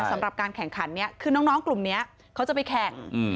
สำหรับการแข่งขันเนี่ยคือน้องกลุ่มนี้เขาจะไปแข่ง